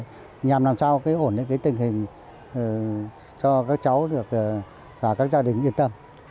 chúng tôi sẽ làm làm sao để ổn định tình hình cho các cháu và các gia đình yên tâm